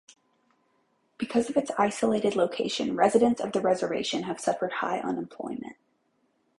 Because of its isolated location, residents of the reservation have suffered high unemployment.